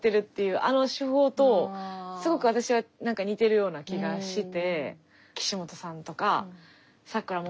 あの手法とすごく私は似てるような気がして。